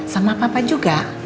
sama papa juga